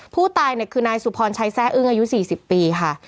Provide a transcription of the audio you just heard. ผู้ตายเนี่ยคือนายสุพรชัยแซ่อึ้งอายุ๔๐ปีค่ะ